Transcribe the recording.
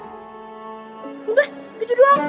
udah gitu doang